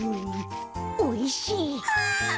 おいしい！